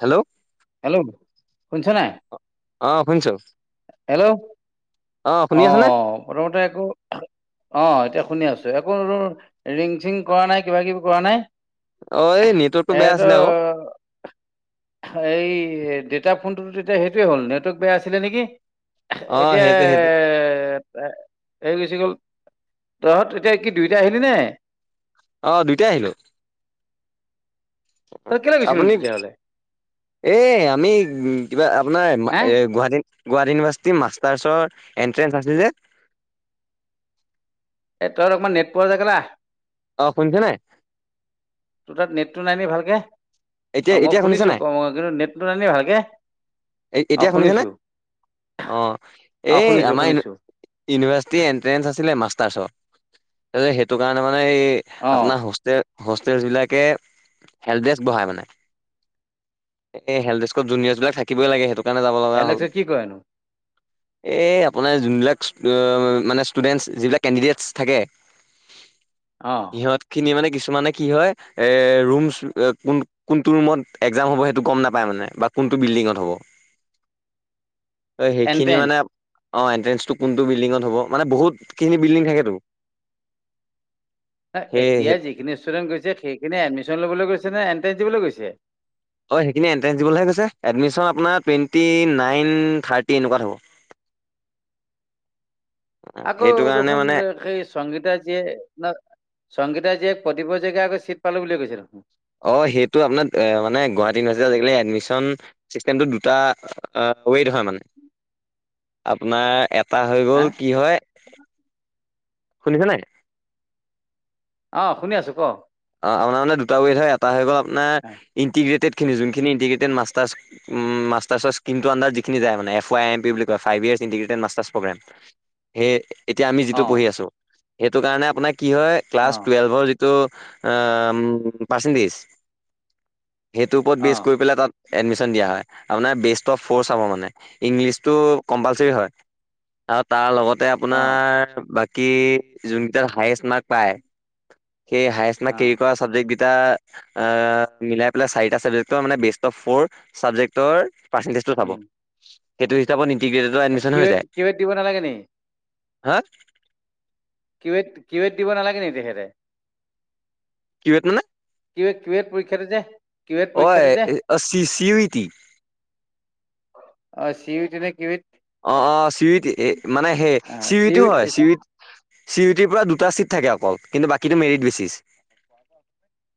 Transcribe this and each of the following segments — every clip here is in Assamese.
হেল্ল'। হেল্ল' শুনিছনে নে নাই? অ', শুনিছোঁ। হেল্ল' আছেনে অ', প্ৰথমতে আকৌ। অ', এতিয়া শুনি আছো একো ৰিং চিং কৰা নাই কিবা কিবি কৰা নাই। অ এই নেটৱৰ্কটো বেয়া এটো। আছিলে আকৌ এই দেটা ফোনটোতো তেতিয়া সেইটোৱে হ'ল নেটৱৰ্ক বেয়া আছিলে নেকি অ এতিয়া। সেইটো সেইটো হেৰি কৈছে গ'ল তহঁত এতিয়া কি দুইটা আহিলি নে। অ', দুইটাই আহিলোঁ। তই কেলে গৈছিলি আপুনি? তেতিয়াহ'লে এই আমি কিবা আপোনাৰ হা এ গুৱাহাটী। গুৱাহাটী ইউনিভাৰ্চিটি মাষ্টাৰ্চৰ এণ্ট্ৰেন্ঞ্চ আছিল যে। এ তই অলপমান নেট পোৱা জেগেলা আহ। অ', শুনিছে নাই। তোৰ তাত নেট টো নাই নি ভালকে। এতিয়া অ', মই এতিয়া শুনিছে শুনিছোঁ নাই কিন্তু নেটটো নান ভালকৈ এ অ', এতিয়া শুনিছেনে শুনিছোঁ। অ', এই আমাৰ। শুনিছো ইউনিভাৰ্চিটি এনট্ৰেন্ঞ্চ আছিলে মাষ্টাৰ্চৰাৰ সেইটো কাৰণে মানে এই অঁ আপো তে হোষ্টেল বিলাকে হেল্প ডে বঢ়াই মানে। এ হেল জুনিয়ৰবলাকিবই লাগে সেইটো। কাৰণে যাব লগা হ'ল এলেকসা কি কয়নো। এই আপোনাৰ যোনবিলাক মানে ষ্টুডেন্ট যিবিলাক কেণ্ডিডেটছ থাকে। আহ। সিহত খিনি মানে কিছুমানে কি হয় এ ৰুমচ কোন। কোনটো ৰুমত একজাম হ'ব সেইটো গম নাপায় মানে বা কোনটো বিল্ডিঙত হ'ব। অ', সেইখিনি এণ্ট্ৰেন্স মানে। অ', এণ্টেঞ্চটো কোনটো বিল্ডিঙত হ'বানে বুখিনিল্ডি থাকেতো। ন সেই এতিয়া যিখিনি ষ্টুডেণ্ট গৈছে, সেইখিনি এডমিশ্যন ল'বলৈ গৈছে ন এণ্ট্ৰেন্ঞ্চ দিবলৈ গৈছে। অ', সেইখিনি এণ্ট্ৰেন্ঞ্চ দিবলৈহে গৈছে, এডমিচন আপোনাৰ টুৱেণ্টি নাইন থাৰ্টি এনেকুৱাত হ'ব। আকৌ সেইটো কাৰণে দেখোন মানে সে সংগীতা যীয়ে ন সংগীতা যীয়ে প্ৰতিপ্যকীয়া আকৌ চিট পালো বুলি কৈছিল। অ', সেইটো আপোনাৰ মানে গুৱাহাটী ইউনিভাৰ্চিটি আজি এডমিন। দুটা ৱেইট হয় মানে আপোনাৰ। তটা হৈ হা গল কি হয় শুনিছ নাই। অ', শুনি আছোঁ ক? অ', আপাৰ মানে দুটা ৱেড হয় এটা হৈ গ'ল, আপোনাৰ ইণ্টিগ্ৰেটেড খিনি যোনখিনিণ্টিগ্ৰেেড মাৰ। উম, মাৰ আৰ যিখিন যায় মান এ ই এম পি বুলি কয় ফাইভ ইয় ইটিগেড মাগেম। সেই এতিয়া আমি যিটো অ পঢ়ি আছো সেইটো কাৰণে আপোনাৰ কি হয় অ ক্লাছ টুৱেলভৰ যিটো। পাৰ্চেণ্টেজ সেইটোৰ ওপৰত বেচ কৰি পেলাই তাত। এডমিশন দিয়া হয় আনাৰ বেচ অ ফৰ্চ হ মানে ইংলিছটো কম্পালচৰি হয়। আৰু তাৰ লগতে অ আপোনাৰ ব কি যোনকেইটাত হায়ষ্ট মাৰ্ক পায় সেই হায়ষ্ট অ মাৰ্ক কেৰি কৰা। চাবজেক্টকেইটা আ মিলাই পেলাই চাৰিটা চাবজেক্টৰ মানে বে ফ'ৰ চাবেক্টৰ পাৰ্চেণ্টেজটো চাব। সেইটো হিচাপত ইণ্টিগ্ৰেটেডত এডমিশচন হৈ কিউৱেট যায় কিউৱেট দিব নালাগে নি হয় কিৱ কিৱেত দিব নালাগে তেখেতে কিৱেত মানে? কিৱেত কিৱেত পৰীক্ষাটো যে কিৱেত পৰীক্ষাটো যে। অ C C U E T অ চি ইউ তি নে কিৱিত। অ', অ', চি ইউ এ তি এই মানে সেই চি ইউ এ তি টো হয় চি চি ইউ টিৰ পৰা দুটা চিট থাকে অকল কিন্তু বাকীটো merit basis. [inaudible]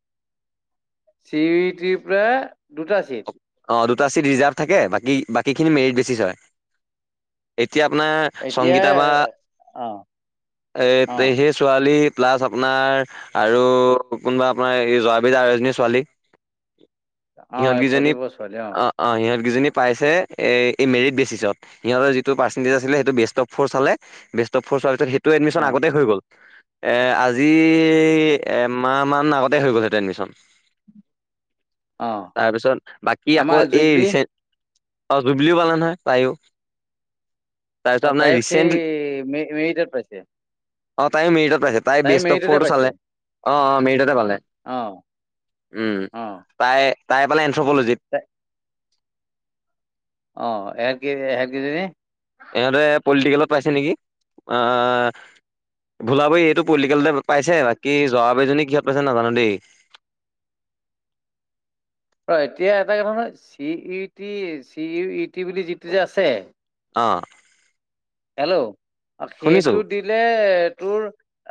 C U E টিৰ পৰা দুটা চিট অ', দুটা ছিট ৰিজাৰ্ভ থাকে বাকী বাকীখিনি মেৰিট বেচিছ হয় এতিয়া আপোনাৰ এতিয়া সংগীতা বা অ এ অ সেই ছোৱালী প্লাছ আপোনাৰ আৰু কোনোবা আপোনাৰ এই জোৱাবি আ এজনী ছোৱালী অ সিহঁতকেইজনী প্ৰদীপ ছোৱালী অ', অ', সিহঁতকেইজনী। পাইছে এই এই মেৰিট বেচিচত। সিহঁতৰ যিটো পাৰ্চেন্টেজ আছিলে সেইটো বেষ্ট অফ ফৰ চালে বেষ্ট অফ ফ'ৰ চোৱাৰ পিছত সেই ত এডমিশন আগতে হৈ গ'ল এ আজি এমাহ মান আগতে হৈ গ'ল সেহেতৰ এডমিচন। অ তাৰপিছত বাকী আকৌ আমাৰ এই জুবলি ৰিচেণ্ট [unintelligible] পালে নহয় তায়ো অ', তাইক সেই ৰিচেণ্টলি মেৰিটত পাইছে। অ', তায়ো মেৰিটত পাইছে তাই বেষ্ট অফ মেৰিটতে ফৰটো পাইছে চালে অ', অ', মেৰিটতে পালে অ অ তাই তাই পালে এন্থ্ৰ'প'লজিত [unintelligible] অহ সেহতকেজনী, সেহেতকেইজনী। ইহঁতে পলিটিকেলত পাইছে নেকি আহ ভোলাবি এইটো পলিটিকেলত পাইছে বাকী জোৱা কেইজনী কিহত পাইছে নাজানো দেই। ৰ এতিয়া এটা কথা নয় C U T C U E T বুলি যিটো যে আছে অহ। হেল্ল' শুনিছোঁ সেইটো দিন দে তোৰ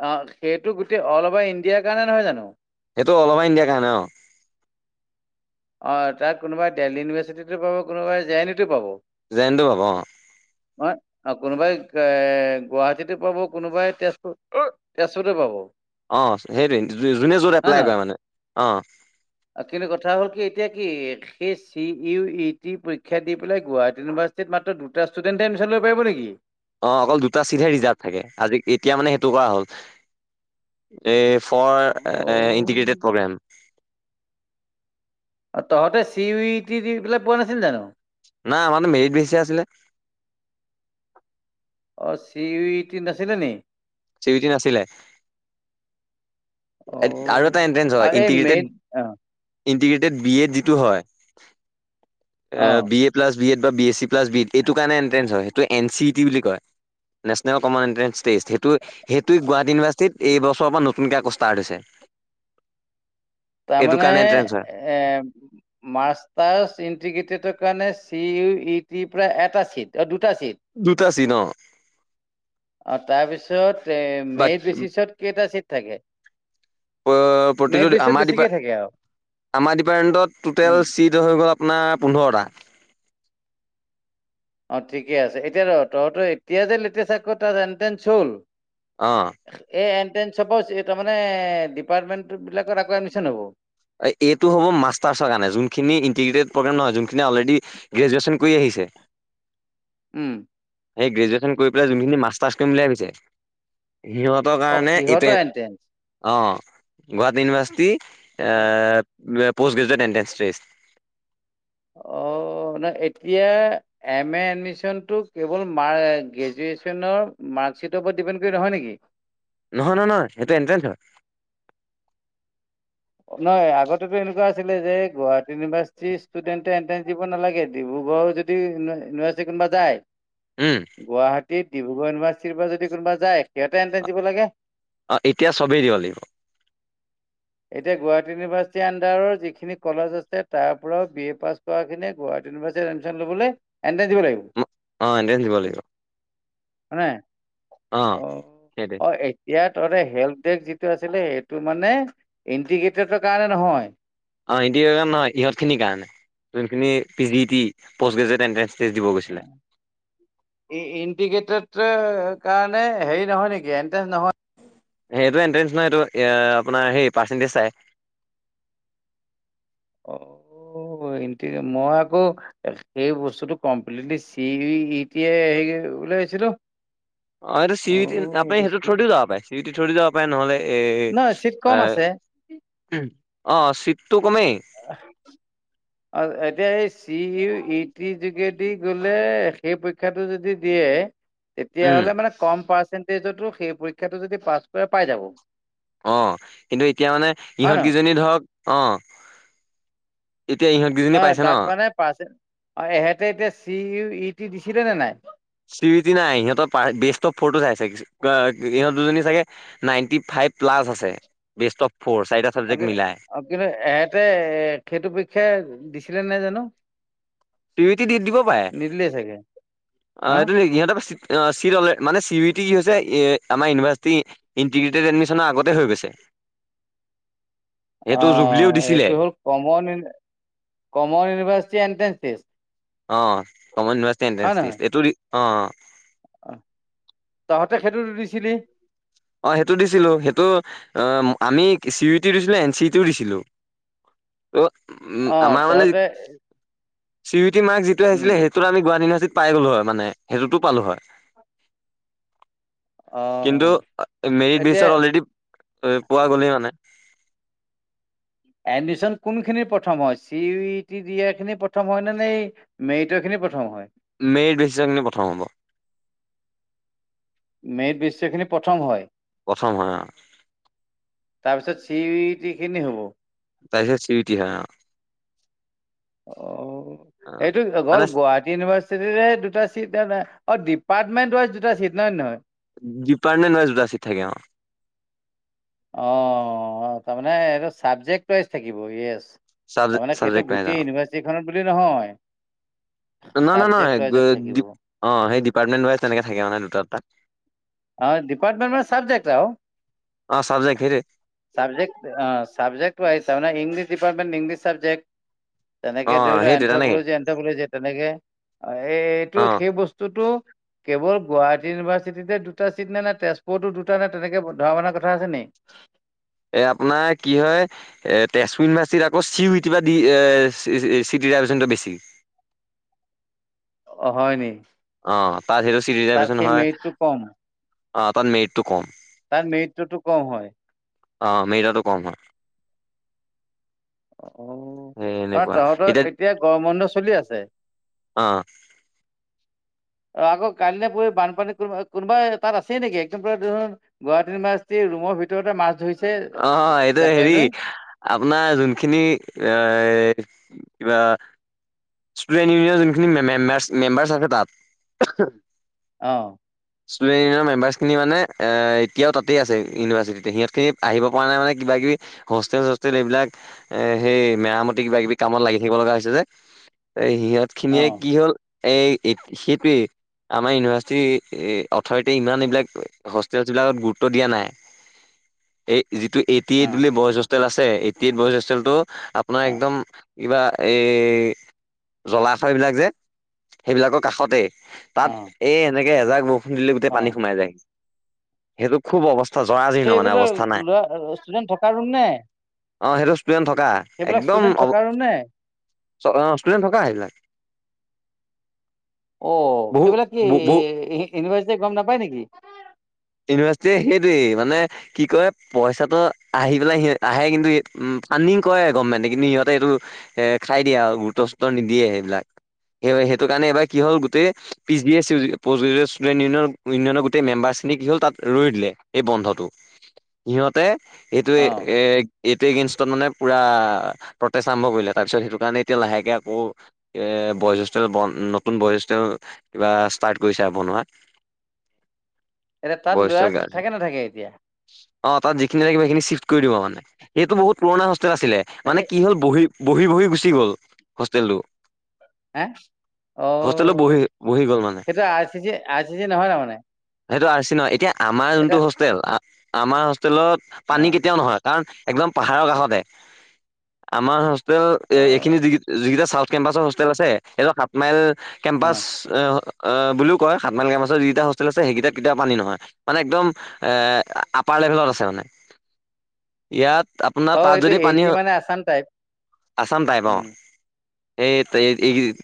অ', সেইটো গোটেই অল অভাৰ ইণ্ডিয়াৰ কাৰণে নহয় জানো? সেইটো অল অভাৰ ইণ্ডিয়াৰ কাৰণে অ'। অ', তাত কোনোবাই দেল্হী ইউনিভাৰ্চিটিতো পাব কোনোবাই জে আন উটো পাব জে উ ন ট পাব অ'। [unintelligible] অ', কোনোবাই এ গুৱাহাটীতে পাব কোনোবাই তেজপুৰ তেজপুৰতে পাব অ', সেইটোৱে যোনে য'ত হয় এপ্লাই নহয় কৰে মানে অ'। কিন্তু কথা হ'ল কি এতিয়া কি সেই চি ইউ ই টি পৰীক্ষা দি পেলাই গুৱাহাটী ইউনিভাৰ্চিটিত মাত্ৰ দুটা ষ্টুডেণ্টে এডিচন ল'ব পাৰিব নেকি? অ', অকল দুটা চিটহে ৰিজাৰ্ভ থাকে আজি এতিয়া মানে সেইটো কৰা হ'ল। এই ফৰ ইণ্টিগ্ৰেটেড অ'। প্ৰগ্ৰাম। অ', তহতে চি ই টি দি পেলায় পোৱা নাছিল জানো? নাই আমাৰটো মেৰিত বেছি আছিলে অ', চি ইউ ই টি নাছিলে নি? চি উ টি নাছিলে। অ আৰু এটা এনট্ৰেন্ঞ্চ হয় আৰু এই মেইন ইণ্টিগ্ৰেটেড অ ইটিগ্ৰেটেড বি এড যিটো হয় অ B A plus B Ed বা B S C plus B Ed এইটো কাৰণে এন্ট্ৰেঞ্চ হয় সেইটো এন চি ইটি বুলি কয়। নেচনেল কমান এণ্ট্ৰেন্স টেষ্ট সেইটো সেইটোৱ গুৱাহাটী ইউনিভাৰ্চিটিত এইছৰ পৰা নতুনকে পাৰ্ট হৈছে। এইটো তাৰমানে কাৰণে এণ্ট্ৰেন্স হয় এ মাষ্টাৰছ ইণ্টিগ্ৰেটেডৰ কাৰণে চি ইউ ই টিৰ পৰা এটা চিট অ দুটা চিট। দুটা চিট অ। অ তাৰপিছত এ মেৰিট বা বেচিছত কেইটা চিট থাকে? প্ৰতিটো মেৰিট বেচিছত আমাৰ ডিপা, বেছিকে থাকে আৰু আমাৰ ডিপাৰ্টমেণ্টত টুটেল উম চিট হৈ গ'ল আপোনাৰ পোন্ধৰটা। অ ঠিকে আছে। এতিয়া তহঁতৰ এতিয়া যে লেটেষ্ট [unintelligible] অ। এ এনট্ৰেঞ্চ হ'ব তাৰ মানে ডিপাৰ্টমেন্ট বিলাকত আকৌ এডমিচন হ'ব। এইটো হ'ব মাষ্টাৰ্চৰ কাৰণে। যোনখিনি ইণ্টিগ্ৰেটেড প্ৰগেম নহয় যোনখিন অলৰেডি গ্ৰেজুৱেশ্যন কৰি আহিছে। উম। সেই গ্ৰেজুৱেশচন কৰি পেলাই যোনখিনি মাষ্টাৰছ কৰিম বুলি ভাবিছে। সিহঁত অ কাৰণে ইতিয়া সিহঁতৰ এন্ট্ৰেন্স অ Guwahati university post graduate entrance test. অ ন এতিয়া এম এ এডমিশনটো কেৱল মাৰ গ্ৰেজুৱেশ্যনৰ মাৰ্কশ্বিটৰ ওপৰত ডিপেণ্ড কৰি নহয় নেকি? নহয় নহয় নহয় সেইটো এট্ৰেন্ঞ্চ হয়। নহয় আগতেতো এনেকুৱা আছিলে যে গুৱাহাটী ইউনিভাৰ্চিটিৰ ষ্টুডেণ্টে এন্ট্ৰেন্ঞ্চ দিব নালাগে। ডিব্ৰুগড়ৰ [unintelligible] কোনোবা যায় উম গুৱাহাটীত ডিব্ৰুগড় ইউনিভাৰ্চিটিৰ পৰা যদি কোনোবা যায়, সিহঁতে এন্ট্ৰেন্ঞ্চ দিব লাগে। অ এতিয়া চবেই দিব লাগিব। এতিয়া গুৱাহাটী ইউনিভাৰ্চিটি আন্দাৰৰ যিখিনি কলেজ আছে তাৰ পৰা বি এ পাছ কৰা খিনিয় গুৱাহীটি ইউনিভাৰ্চিটি এডমিছন ল'বলৈ এণ্ট্ৰস দিব লাগিব। অ'এণ্ট্ৰেন্স দিব লাগিব। [unintelligible] অ' সেইটোৱে। এতিয়াত তহতে হেল্প ডেক যিটো আছিলে, সেইটো মানে ইণ্টিগ্ৰেটেডৰ কাৰণে নহয়। অ' ইণ্টিগ্ৰেটেড নহয় ইহঁত খিনিৰ কাৰণে। যোনখিনি P G E T post graduate entrance test দিব গৈছিলে। ইণ্টিগ্ৰেটেড কাৰণে হেৰি নহয় নেকি এণ্ট্ৰেঞ্চ নহয় সেই এইটো এণ্ট্ৰেন্ঞ্চ নহয়। এইটো এ আপোনাৰ হে পাৰ্চেণ্টেজ চাই। অ' এইটো মই আকৌ সেই বস্তুটো কমপ্লিটলি চি ইটি হেৰি উলাইছিলো। অ' এইটো চি ই তি তাতে সেইটো থৈ চি- দি যাব পাৰে, চিউটি থৰি যাব পাৰে নহ'লে নহ চিট কম আছে। অ চিটটো কমেই [inaudible] এতিয়া এই চি ইউ ইটি যোগেদি গ'লে সেই শিক্ষাটো যদি দিয়ে তেতিয়া উম হ'লে মানে কম পাৰ্চেন্টেজতো সেই পৰীক্ষাটো য পাছ কৰে পাই যাব। অ' কিন্তু এতিয়া মানে হয় নহয়? ইহঁতকেইজনী ধৰক অ' এতিয়া ইহঁত কেইজনী নহয় পাইছে ন তাত মানে পাৰ্চ অ এহেঁতে এতিয়া চি ইউ ই টি দিছিলে নে নাই? চি উ ই টি নাই। সিহঁতৰ বেষ্ট অ ফটো চাইছে ইহঁত দুজনী চাগে নাইনটি ফাইভ প্লাছ আছে, বেষ্ট অফ ফ'ৰ। চাৰি অ' কি কিন্তু এহতে এ সেইটো পৰিক্ষা দিছিলে নে জানো? চি উ ই টি দি দিব পাৰে। নিদিলেই চাগে। অ এইটো ইহঁতৰ অ' চিট অল মানে চি ইউ টি কি হৈছে আমাৰ ইউনিভাৰ্চিটি ইণ্টিগ্ৰেটেড এডমিশনৰ আগতে হৈ গৈছে। সেইটো জুবলিও অ', দিছিলে। এইটো হ'ল common common university entrance test অ'কমন ইউনিভাৰ্চিটি হয় এণ্ট্ৰেন্স নহয়? টেষ্ট এইটো অ। তহঁতে সেইটোটো দিছিলি। অ' সেইটো দিছিলোঁ সেইটো অ আমি চি উ ই টি দিছিলোঁ এন চি উ টিও দিছিলোঁ। ত' উম অ', আমাৰ মানে তহঁতে C U E T mark যিটো উম, আহিছিলে সেই তো আমি গুৱাহাটী ইউনিভাৰ্চিটি পাই গ'লো হয় মানে সেইটোতো পালোঁ হয়। অ। কিন্তু মেৰিট এতিয়া বিচত অলৰেডি পোৱা গ'লেই মানে। এডমিছন কোনখিনি প্ৰথম হয় চি উ ই টি দিয়া খিনি প্ৰথম হয়নে সেই। মেৰিটৰ খিনি প্ৰথম হয়। মেৰিট বেচিছৰ খিনি প্ৰথম হ'ব। মেৰিট বেচিছৰ খিনি প্ৰথম হয়। প্ৰথম হয়। তাৰপিছত চি উ ই টি খিনি হ'ব। তাৰপিছত চি উ ই টি হয় অ। অ অ এইটো অকল মানে গুৱাহাট ইউনিভাৰ্চিটিৰে দুটা চিট [unintelligible] ডিপাৰ্টমেণ্ট ৱাইজ দুটা চিট [unintelligible] নহয়। ডিপাৰ্টমেণ্ট ৱাইছ দুটা ছিট থাকে অ। অ তাৰমানে এইটো চাবজেক্ট ৱাইচ থাকিব য়েচ। চাব তাৰমানে সেইটো চাবজেক্ট ৱাইজ অ গোটেই ইউনিভাৰ্চিটিখনত বুলি নহয়। নহয় চাবজেক্ট ন-নহয় ৱাইজত থাকিব। [unintelligible] অ সেই ডিপাৰ্টমেণ্ট ৱাইজ তেনেকে থাকে মানে দুটা দুটা। অ ডিপাৰ্টমেণ্ট ৱাইচ চাবজেক্ট আৰু। অ চাবজেক্ট সেইটোৱে। চাবজেক্ট অ চাবজেক্ট ৱাইচ তাৰমানে ইংলিছ ডিপাৰ্টমেণ্ট ইংলিছ চাবজেক্ট। অ তেনেকে ধৰি লোৱা সেইটোৱে তেনেকে এন্থ্ৰপলজি এন্থ্ৰপলজি তেনেকে এইটো অ সেই বস্তুটো। কেৱল গুৱাহাটী ইউনিভাৰ্চিটিতে। দুটা চিট নে নাই তেজপুৰতো দুটা [unintelligible] তেনেকে ধৰা মানা কথা আছে নে এ আপোনাৰ কি হয়। এ তেজপুৰ ইউনিভাৰ্চিটিত আকৌ চি উ ই টি পৰা দি [unintelligible] চিট ৰিজাৰ্ভভেচনটো বেছি। অ হয় নি। অ তাত সেইটো ছিট তাত ৰিজাৰ্ভভেচন সেই হয় মেৰিটটো কম অ তাত মেৰিটটো কম। তাৰ মেৰিটটো কম হয়। অ মেৰিটোটো কম হয়। অ, সেই অ এনেকুৱা তহঁতৰ এতিয়া গৰম বন্ধ চলি আছে। অ। আকৌ কালি নে পৰহি বানপানী কোনা-কোনোবা তাত আছেই নেকি একদম পুৰা দূৰৰ। গুৱাহাটী ইউভাৰ্চিটিৰ ৰুমৰ ভিতৰতে মাছ ধৰিছ অ এইটো হেৰি। আপোনাৰ যোনখিনি এ কিবা। ষ্টুডেণ্ট ইউনিয়ন যোনখিনি মেচ মেম্বাৰচ আছে তাত। অ। ষ্টুডেণ্ট ইউনিয়নৰ মেম্বাৰছখিনি মানে এতিয়াও তাতে আছে ইউনিভাৰ্চিতে সিহঁতখিনি আহিব পৰা নাই মানে কিবা কিবি। হোষ্টেল চোষ্টেল এইবিলাক এ সেই মেৰামতি কিবা কিবি কামত লাগি থাকিব লগা হৈছে যে। এ সিহঁত খিনিয়ে অ কি হ'ল এ-এই সেইটোৱেই। আমাৰ ইউনিভাৰ্চিটি [unintelligible] অথৰিটিয়ে ইমান এইবিলাক হোষ্টেলছ বিলাকত গুৰুত্ব দিয়া নাই। এই যিটো এই। টি অ এইট বুলি বইজ হোষ্টেল আছে এ টি এইট বইজ হোষ্টেলটো আপোনাৰ অ একদম কিবা এ জলাশয়বিলাক যে সেইবিলাকৰ কাষতেই তাত অ এই এনেকে এজাক বৰ ষুণ দিলে গোটেই পানী অ সোমাই যায় সেইটো খুব অৱস্থ এইবিলাক [unintelligible] ষ্টুডেণ্ট থকা ৰুম নে। অ সেইটো ষ্টুডেণ্ট থকা সেইবিলাক একদম ষ্টুডেন্ট অৱ থকা ৰুম নে ষ্টুডেণ্ট থকা সেইবিলাক। অ বহু সেইবিলাক কি বহু ইউনিভাৰ্চিটি গম নাপায় নেকি ইউনিভাৰ্চিটি‌ সেইটোৱেই মানে কি কৰে পইচাটো আহি পেলাই সিহত আহে কিন্তু উম পানিং কৰে গভমেণ্টে কিন্তু সিহঁতে এইটো এ খাই দিয়ে আৰু গুৰুত্ব গুৰুত্ব নিদিয়ে সেইবিলাক সেই সেইটো কাৰণেবাৰ কি হ'ল গোট পি এছ ষ্টুডেণ্ট ইউননৰ ইউনিয়নৰ গোটেই মেম্বাৰ আছে কি হ'ল, তাত ৰই দিলে! এই বন্ধটো সিহঁতে, এইটো অ এ এইটো এগেনষ্টত মানে পুৰা প্ৰটেষ্ট আৰম্ভ কৰিলে! তাৰপিছত, সেইটো কাৰণে এতিয়া লাহেকে আকৌ, বয়জষ্ঠ বন নতুন বয়জ কিবা ষ্টাৰ্ট কৰিছে আৰু বনোৱাত! এতিয়া, তাত লোৱা হোষ্টেল গাৰ্লছ থাকে নাথাকে এতিয়া! অ, তাত যিখিনি থাকিব! সেইখিনি চিফ্ট কৰি দিব! মানে, সেইটো বহুত পুৰণা হোষ্টেল আছিলে, মানে, এ, কি হ'ল বহি বহি, বহি গুচি গ'ল! হোষ্টেলটো হেঁ, হোষ্টেলটো বহি অঔ বহি গল মানে, সেইটো R C G R C G নহয় ন মানে [unintelligible] সেইটো আৰ চি নহয়, এতিয়া আমাৰ যোনটো হোষ্টেল! আঁ, আমাৰ হোষ্টেলত অ পানী কেতি, এতিয়াও নহয়! কাৰণ, একদম পাহাৰৰ কাষতে আমাৰ, োেল অ এইখিনি যেইটা চাউথ কেম্পাছৰ হোষ্টেল আছে স সাত মাইল অ কেম্পাছ [unintelligible] অ অ বুলিও কয় সাত মাই গ কামাছত যিেইটা হোষ্টেল আছে সেইটা কতিয়া [unintelligible] পানী নহয়! মানে, একদম এ আপাৰ লেভেলত আছে মানে, ইয়াত, আপোনাৰ অ তাত এইটো যদি পানী এইটি মানে আছাম টাইপ আছাম টাইপ অ, উম এই